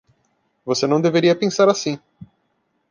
Você não deveria pensar assim!